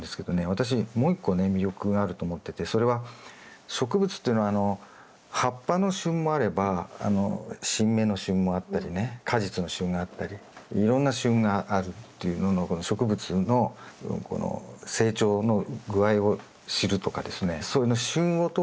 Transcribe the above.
私もう一個ね魅力があると思っててそれは植物っていうのは葉っぱの旬もあれば新芽の旬もあったりね果実の旬があったりいろんな旬があるっていうのの植物の成長の具合を知るとかですね。